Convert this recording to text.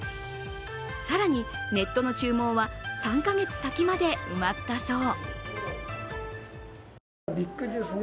更にネットの注文は３か月先まで埋まったそう。